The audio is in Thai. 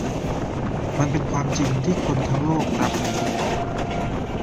มันเป็นความจริงที่คนทั้งโลกรับรู้